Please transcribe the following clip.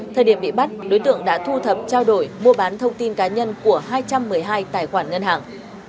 thời điểm bị bắt đối tượng đã thu thập trao đổi mua bán thông tin cá nhân của hai trăm một mươi hai tài khoản ngân hàng